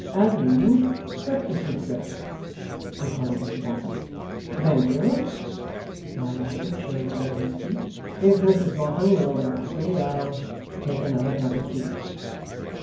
'Have YOU breakfasted, sir?' inquired Mr Boffin. 'Thank you,' replied Alfred, showing all his teeth. 'If Mrs Boffin will oblige me, I'll take another cup of tea.